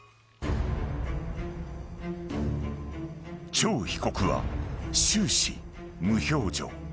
［張被告は終始無表情］